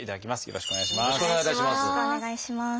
よろしくお願いします。